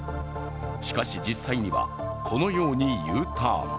しかし、実際にはこのようにＵターン。